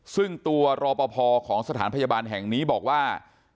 ซึ่งตัวรอปภของสถานพยาบาลแห่งนี้บอกว่า